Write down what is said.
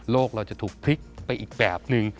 เราจะถูกพลิกไปอีกแบบนึง